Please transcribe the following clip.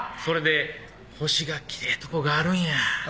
それで「星がきれいとこがあるんや」